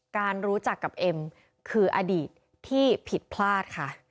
การรู้จักกับเอ็มคืออดีตที่ผิดพลาดค่ะ